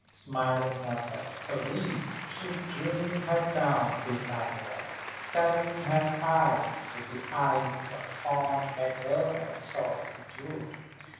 Smiling up at Karen she drew her down beside her, studying her with eyes of fond, maternal solicitude.